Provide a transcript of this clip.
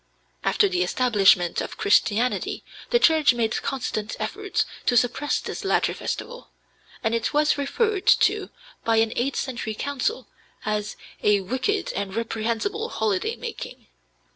After the establishment of Christianity the Church made constant efforts to suppress this latter festival, and it was referred to by an eighth century council as "a wicked and reprehensible holiday making."